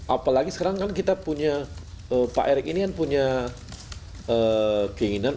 apalagi sekarang kan kita punya pak erik ini kan punya keinginan